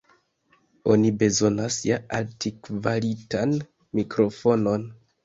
Oni bezonas ja altkvalitan mikrofonon.